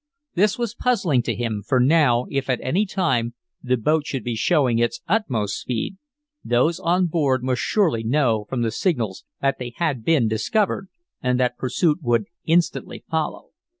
This was puzzling to him, for now, if at any time, the boat should be showing its utmost speed. Those on board must surely know from the signals that they had been discovered and that pursuit would instantly follow.